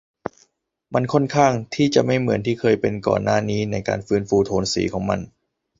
มันค่อนข้างที่จะไม่เหมือนที่เคยเป็นก่อนหน้านี้ในการฟื้นฟูโทนสีของมัน